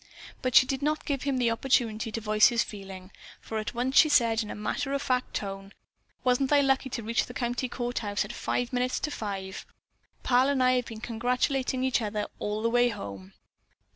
But she did not give him the opportunity to voice his feeling, for at once she said in a matter of fact tone: "Wasn't I lucky to reach the county court house at five minutes to five? Pal and I have been congratulating each other all the way home."